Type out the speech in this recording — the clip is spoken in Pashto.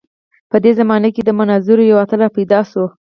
په دې زمانه کې د مناظرو یو اتل راپیدا شو.